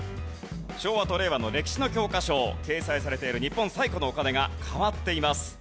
昭和と令和の歴史の教科書掲載されている日本最古のお金が変わっています。